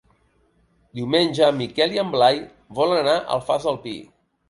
Diumenge en Miquel i en Blai volen anar a l'Alfàs del Pi.